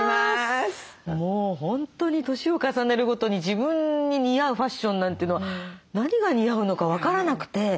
もう本当に年を重ねるごとに自分に似合うファッションなんていうのは何が似合うのか分からなくて。